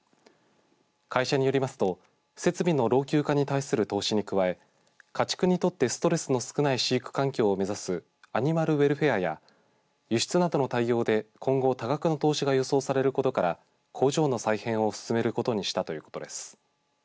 会社によりますと、設備の老朽化に対する投資に加え家畜にとってストレスの少ない飼育環境を目指すアニマルウェルフェアや輸出などの対応で今後、多額の投資が予想されることから工場の再編を進めることにしたということです。